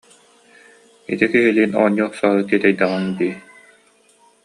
Ити киһилиин оонньуу охсоору тиэтэйдэҕиҥ дии